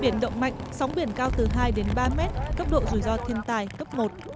biển động mạnh sóng biển cao từ hai ba m cấp độ rủi ro thiên tài cấp một